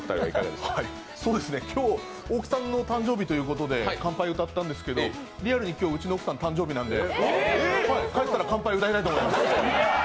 今日、大木さんの誕生日ということで「乾杯」を歌ったんですけど、リアルに今日、うちの奥さん誕生日なんで帰ったら「乾杯」歌おうと思います。